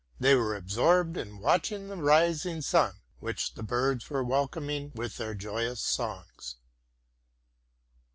They were absorbed in watching the rising sun, which the birds were welcoming with their joyous songs.